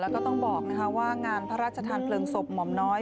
แล้วก็ต้องบอกว่างานพระราชทานเพลิงศพหม่อมน้อย